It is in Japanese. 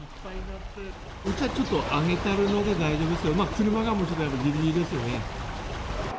うちはちょっと上げてるので大丈夫ですけれども、まあ車がぎりぎりですよね。